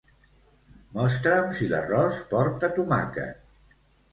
Mostra'm si l'arròs porta tomàquet.